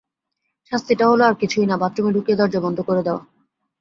শাস্তিটা হল আর কিছুই না, বাথরুমে ঢুকিয়ে দরজা বন্ধ করে দেওয়া।